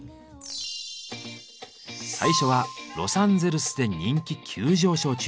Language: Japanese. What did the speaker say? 最初はロサンゼルスで人気急上昇中！